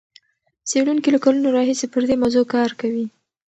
څېړونکي له کلونو راهیسې پر دې موضوع کار کوي.